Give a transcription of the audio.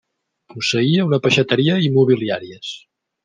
Posseïa una peixateria i immobiliàries.